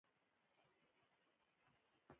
زړه د محبت هنداره ده.